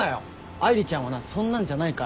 愛梨ちゃんはなそんなんじゃないから。